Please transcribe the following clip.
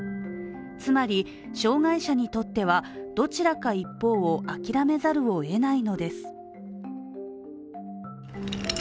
つまり障害者にとってはどちらか一方を諦めざるをえないのです。